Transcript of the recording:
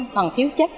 còn khiến con chết